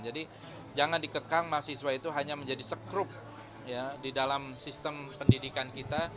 jadi jangan dikekang mahasiswa itu hanya menjadi skrup ya di dalam sistem pendidikan kita